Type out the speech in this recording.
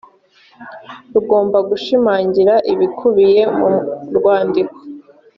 rugomba gushimangira ibikubiye mu rwandiko